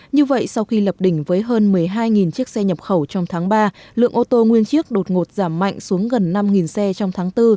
như vậy sau khi lập đỉnh với hơn một mươi hai chiếc xe nhập khẩu trong tháng ba lượng ô tô nguyên chiếc đột ngột giảm mạnh xuống gần năm xe trong tháng bốn